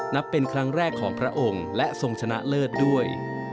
นับเป็นครั้งแรกของพระองค์และทรงชนะเลิศด้วย